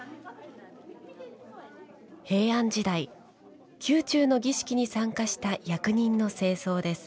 平安時代、宮中の儀式に参加した役人の正装です。